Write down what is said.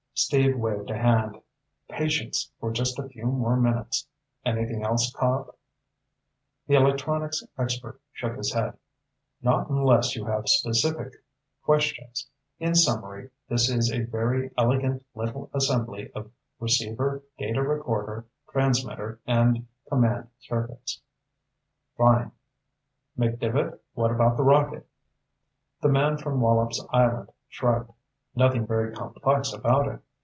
Steve waved a hand. "Patience for just a few more minutes. Anything else, Cobb?" The electronics expert shook his head. "Not unless you have specific questions. In summary, this is a very elegant little assembly of receiver, data recorder, transmitter, and command circuits." "Fine. McDevitt, what about the rocket?" The man from Wallops Island shrugged. "Nothing very complex about it.